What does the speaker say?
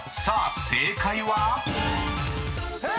［さあ正解は⁉］